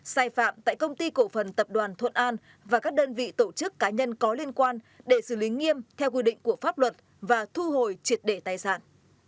sai phạm tại công ty cổ phần tập đoàn thuận an và các đơn vị tổ chức cá nhân có liên quan để xử lý nghiêm theo quy định của pháp luật và thu hồi triệt để tài sản